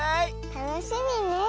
たのしみねえ。